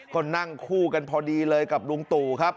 ก็นั่งคู่กันพอดีเลยกับลุงตู่ครับ